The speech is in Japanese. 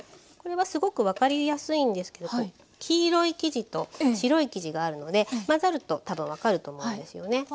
これはすごく分かりやすいんですけど黄色い生地と白い生地があるので混ざると多分分かると思うんですよね。